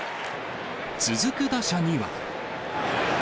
続く打者には。